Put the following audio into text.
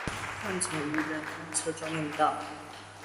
換成無人公車專用道